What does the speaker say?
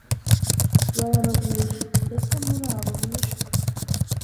barabagusha, ndetse muri abo bishwe